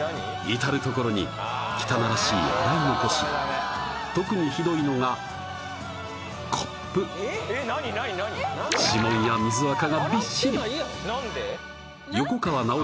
至る所に汚らしい洗い残し特にひどいのがコップ指紋や水アカがビッシリなんで？